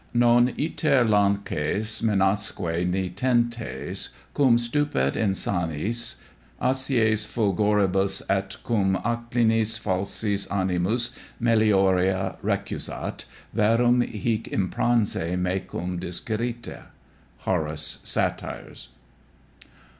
Non iter lances mensasque nitentes, Cum stupet insanis acies fulgoribus, et cum Acclinis falsis animus meliora recusat: Verum hic impransi mecum disquirite. HORACE, Satires.